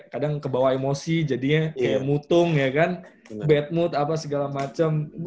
kadang kebawa emosi jadinya kayak mutung ya kan bad mood apa segala macem